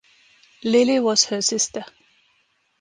Lily was her sister.